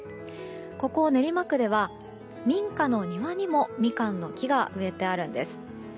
ここ練馬区では民家の庭にもみかんの木が植えてあるんです。